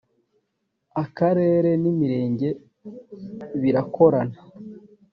akarere n imirenge birakorana